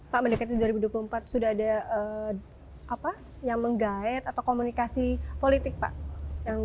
pak mendekati dua ribu dua puluh empat sudah ada apa yang menggait atau komunikasi politik pak